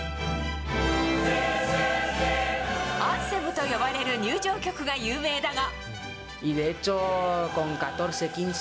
アンセムと呼ばれる入場曲が有名だが。